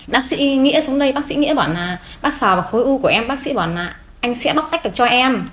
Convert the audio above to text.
bác sĩ nghĩa xuống đây bác sĩ nghĩa bỏ là bác sò vào khối u của em bác sĩ bỏ là anh sẽ bóc tách được cho em